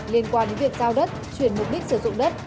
liên quan đến việc giao đất chuyển mục đích sử dụng đất